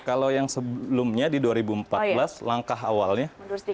kalau yang sebelumnya di dua ribu empat belas langkah awalnya